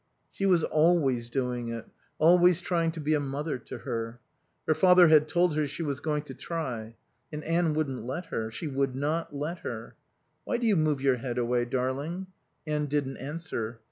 She was always doing it, always trying to be a mother to her. Her father had told her she was going to try. And Anne wouldn't let her. She would not let her. "Why do you move your head away, darling?" Anne didn't answer.